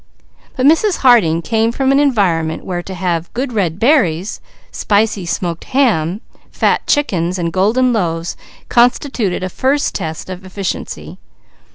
But Mrs. Harding came from an environment where to have "good red berries," spicy smoked ham, fat chickens and golden loaves constituted a first test of efficiency.